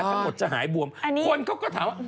ทั้งหมดจะหายบวมคนเขาก็ถามว่า